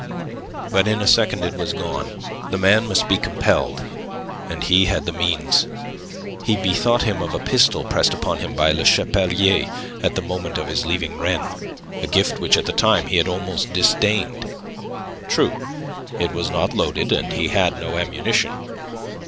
But in a second it was gone. The man must be compelled, and he had the means. He bethought him of a pistol pressed upon him by Le Chapelier at the moment of his leaving Rennes, a gift which at the time he had almost disdained. True, it was not loaded, and he had no ammunition.